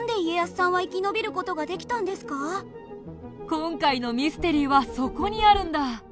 相手に今回のミステリーはそこにあるんだ。